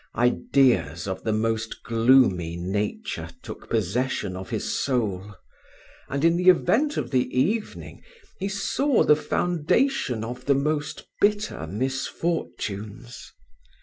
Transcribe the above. Ideas of the most gloomy nature took possession of his soul; and, in the event of the evening, he saw the foundation of the most bitter misfortunes.